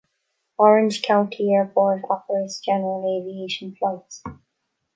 Orange County Airport operates general aviation flights.